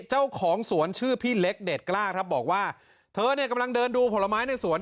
เจ้าของสวนชื่อพี่เล็กเดชกล้าครับบอกว่าเธอเนี่ยกำลังเดินดูผลไม้ในสวน